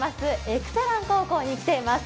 エクセラン高校に来ています。